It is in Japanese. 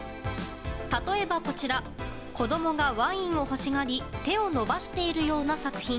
例えば、こちら子供がワインを欲しがり手を伸ばしているような作品。